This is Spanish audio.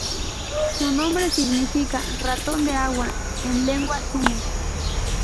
Su nombre significa ""Ratón de agua"" en lengua sumo.